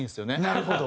なるほど。